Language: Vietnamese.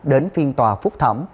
đến phiên tòa phúc thẩm